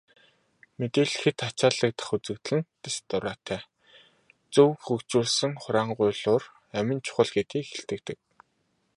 Мэдээлэл хэт ачаалагдах үзэгдэл нь дэс дараатай, зөв хөгжүүлсэн хураангуйлуур амин чухал гэдгийг илтгэдэг.